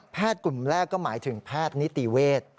กลุ่มแรกก็หมายถึงแพทย์นิติเวทย์